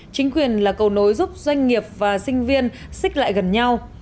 chính quyền là cầu nối giúp doanh nghiệp và sinh viên xích lại gần nhau